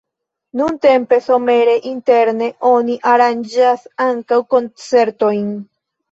Nuntempe somere interne oni aranĝas ankaŭ koncertojn.